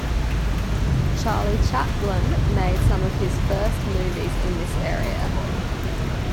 Charlie Chaplin made some of his first movies in this area.